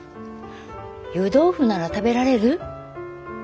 湯豆腐なら食べられる？